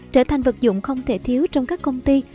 trở thành vật dụng không thể thiếu trong các công ty